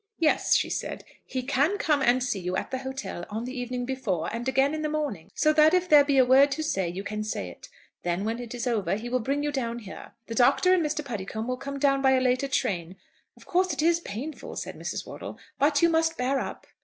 "Yes," she said, "he can come and see you at the hotel on the evening before, and again in the morning, so that if there be a word to say you can say it. Then when it is over he will bring you down here. The Doctor and Mr. Puddicombe will come down by a later train. Of course it is painful," said Mrs. Wortle, "but you must bear up."